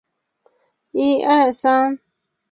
部分政府机关皆设于此。